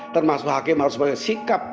termasuk hakim harus punya sikap